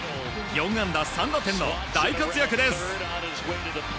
４安打３打点の大活躍です！